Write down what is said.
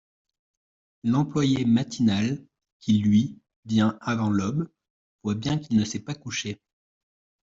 L'employé matinal qui, lui, vient avant l'aube, voit bien qu'il ne s'est pas couché.